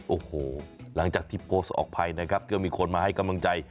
โอ้โหหลังจากที่โพสต์ออกไปนะครับก็มีคนมาให้กำลังใจ